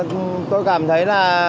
vâng tôi cảm thấy là